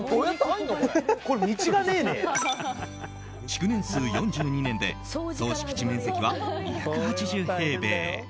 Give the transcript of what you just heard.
築年数４２年で総敷地面積は２８０平米。